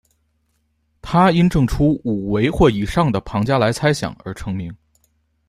他因证出五维或以上的庞加莱猜想而成名。